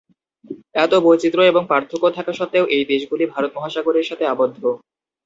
এত বৈচিত্র্য এবং পার্থক্য থাকা সত্ত্বেও এই দেশগুলি ভারত মহাসাগরের সাথে আবদ্ধ।